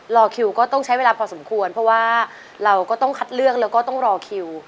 รอคิวก็ต้องใช้เวลาพอสมควรเพราะว่าเราก็ต้องคัดเลือกแล้วก็ต้องรอคิว